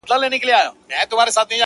اورېدلې مي په کور کي له کلو ده،